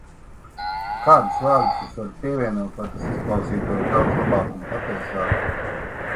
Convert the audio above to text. Kādus vārdus es varu pievienot, lai tas izklausītos daudz labāk un patiesāk?